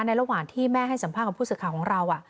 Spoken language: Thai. ในระหว่างที่แม่ให้สัมภาค์ความพูดสัตว์ของเรา